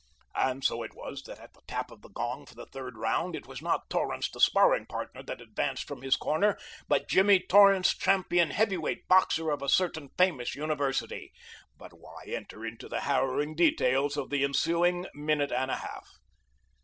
And so it was that at the tap of the gong for the third round it was not Torrance the sparring partner that advanced from his corner, but Jimmy Torrance, champion heavyweight boxer of a certain famous university. But why enter into the harrowing details of the ensuing minute and a half?